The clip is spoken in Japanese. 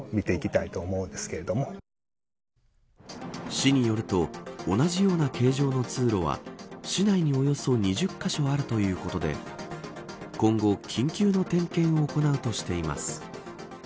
市によると同じような形状の通路は市内におよそ２０カ所あるということで今後、緊急の点検を行うとしています。